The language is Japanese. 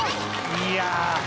いや。